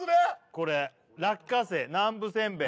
これ落花生南部せんべい